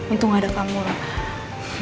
untung ada kamu lah